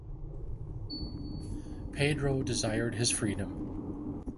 Pedro desired his freedom.